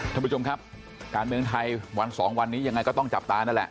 ท่านผู้ชมครับการเมืองไทยวันสองวันนี้ยังไงก็ต้องจับตานั่นแหละ